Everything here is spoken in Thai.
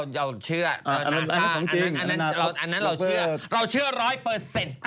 อันนั้นเราเชื่อเราเชื่อร้อยเปอร์เซ็นต์